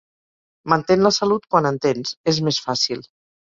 Mantén la salut quan en tens, és més fàcil.